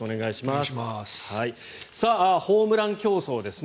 ホームラン競争ですね。